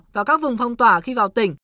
và các vùng phong tỏa khi vào tỉnh